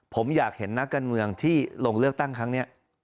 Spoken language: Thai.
ผมอยากเห็นนักการเมืองที่ลงเลือกตั้งครั้งนี้